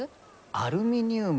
アルミニウム。